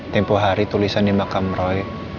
tempoh hari tulisannya makam roy